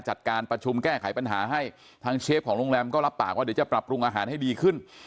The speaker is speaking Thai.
จัดการประชุมแก้ไขปัญหาให้ทางเชฟของโรงแรมก็รับปากว่าเดี๋ยวจะปรับปรุงอาหารให้ดีขึ้น